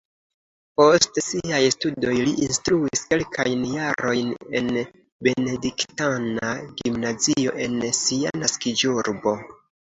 Post siaj studoj li instruis kelkajn jarojn en benediktana gimnazio en sia naskiĝurbo.